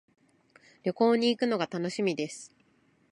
旅行に行くのが楽しみです。